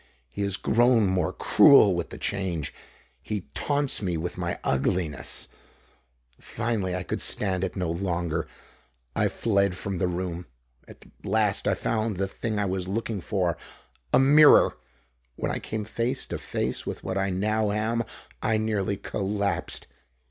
He has grown more cruel with the change. He taunts me with my ugliness. Finally I could stand it no longer. I fled from the room. At last I found the thing I was looking for a mirror. When I came face to face with what I now am I nearly collapsed.